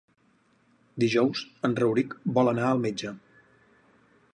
Dijous en Rauric vol anar al metge.